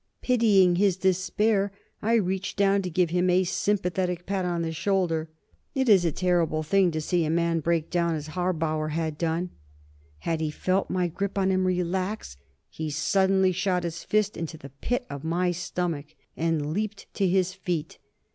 Pitying his despair, I reached down to give him a sympathetic pat on the shoulder. It is a terrible thing to see a man break down as Harbauer had done. As he felt my grip on him relax, he suddenly shot his fist into the pit of my stomach, and leaped to his feet.